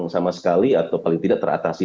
sama sekali atau paling tidak teratasi